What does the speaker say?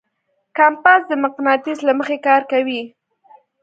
کمپاس د مقناطیس له مخې کار کوي.